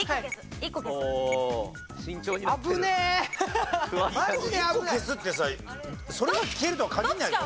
１個消すってさそれが消えるとは限らないよ。